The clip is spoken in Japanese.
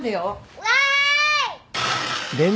わい！